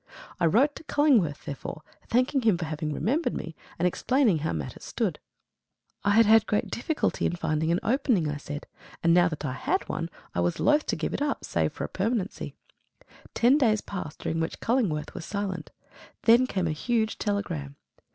I wrote to Cullingworth, therefore, thanking him for having remembered me, and explaining how matters stood. I had had great difficulty in finding an opening, I said, and now that I had one I was loth to give it up save for a permanency. Ten days passed, during which Cullingworth was silent. Then came a huge telegram.